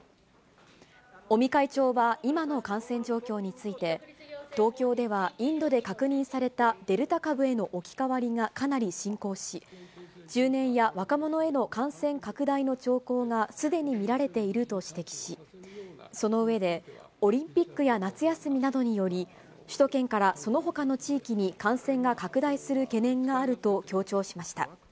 尾身会長は、今の感染状況について、東京ではインドで確認されたデルタ株への置き換わりがかなり進行し、中年や若者への感染拡大の兆候がすでに見られていると指摘し、その上で、オリンピックや夏休みなどにより、首都圏からそのほかの地域に感染が拡大する懸念があると強調しました。